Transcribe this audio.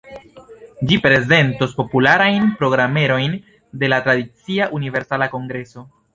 Ĝi prezentos popularajn programerojn de la tradicia Universala Kongreso.